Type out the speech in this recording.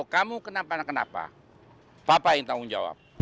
kamu kenapa kenapa papa yang tanggung jawab